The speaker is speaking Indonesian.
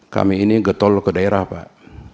kami ini getol ke daerah pak